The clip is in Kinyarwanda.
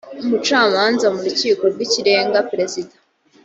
umucamanza mu rukiko rw ikirenga perezida